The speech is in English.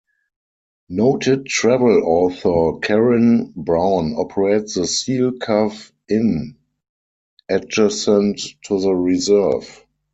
Noted travel author Karen Brown operates the Seal Cove Inn adjacent to the reserve.